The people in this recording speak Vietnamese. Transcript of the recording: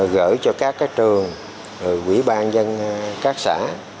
gửi cho các trường quỹ ban dân các xã